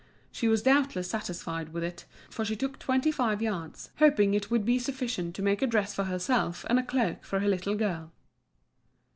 She was doubtless satisfied with it, for she took twenty five yards, hoping it would be sufficient to make a dress for herself and a cloak for her little girl.